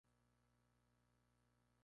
Este potaje es típico de la cocina jienense.